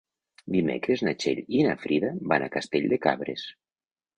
Dimecres na Txell i na Frida van a Castell de Cabres.